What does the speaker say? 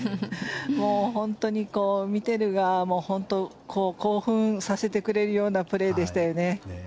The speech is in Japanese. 本当に見てる側も興奮させてくれるようなプレーでしたよね。